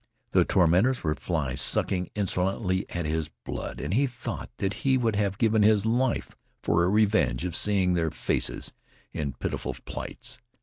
The tormentors were flies sucking insolently at his blood, and he thought that he would have given his life for a revenge of seeing their faces in pitiful plights.